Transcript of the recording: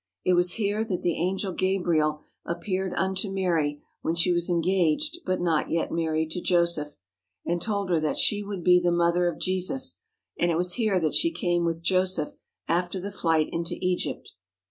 It was here that the Angel Gabriel appeared unto Mary when she was engaged but not yet married to Joseph and told her that she would be the mother of Jesus, and it was here that she came with Joseph after the flight into Egypt.